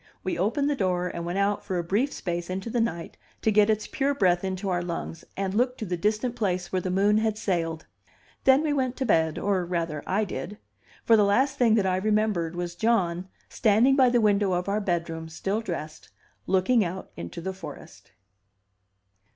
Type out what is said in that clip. We opened the door and went out for a brief space into the night to get its pure breath into our lungs, and look to the distant place where the moon had sailed. Then we went to bed, or rather, I did; for the last thing that I remembered was John, standing by the window of our bedroom still dressed, looking out into the forest.